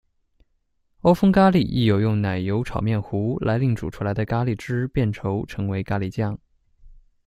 欧风咖哩亦有用奶油炒面糊来令煮出来的咖喱汁变稠成为咖喱酱。